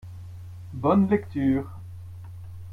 bonne lecture.